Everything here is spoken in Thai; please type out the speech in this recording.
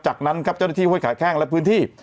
จากนั้นครับเจ้าหน้าที่ห้วยขาแข้งและพื้นที่